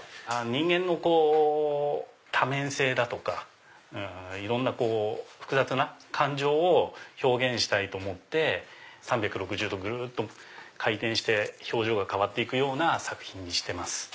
人間の多面性だとかいろんな複雑な感情を表現したいと思って３６０度ぐるっと回転して表情が変わっていくような作品にしてます。